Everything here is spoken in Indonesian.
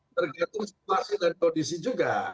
tergantung situasi dan kondisi juga